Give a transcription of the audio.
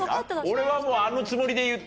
俺はもうあのつもりで言ってた。